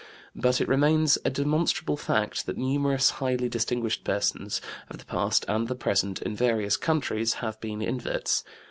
But it remains a demonstrable fact that numerous highly distinguished persons, of the past and the present, in various countries, have been inverts.